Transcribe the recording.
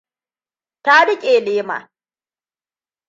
Ta rike lema.